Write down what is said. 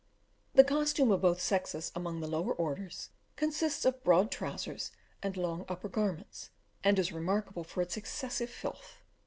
The costume of both sexes, among the lower orders, consists of broad trousers and long upper garments, and is remarkable for its excessive filth.